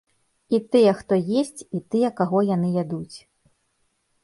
І тыя, хто есць, і тыя, каго яны ядуць.